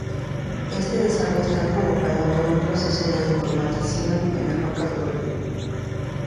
Este desagüe está provocado por un proceso de colmatación en la cuenca del golfo.